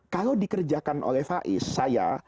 kalau dikerjakan oleh faiz saya